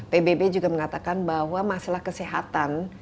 pbb juga mengatakan bahwa masalah kesehatan